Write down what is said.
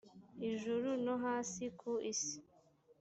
ijuru no hasi ku isi